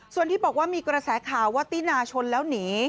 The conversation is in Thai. ส่วนที่บอกว่ามีกระแสข่าวว่าตินาชนแล้วหนี